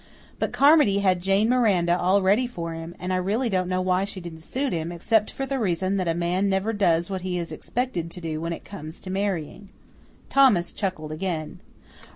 But Carmody had Jane Miranda all ready for him, and really I don't know why she didn't suit him, except for the reason that a man never does what he is expected to do when it comes to marrying. Thomas chuckled again.